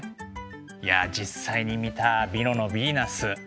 いや実際に見た「ミロのヴィーナス」